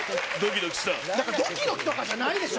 どきどきとかじゃないでしょ。